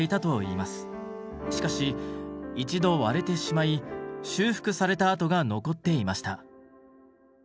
しかし一度割れてしまい修復された跡が残っていました。